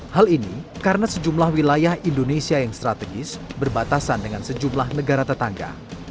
hal ini karena sejumlah wilayah indonesia yang strategis berbatasan dengan sejumlah negara tetangga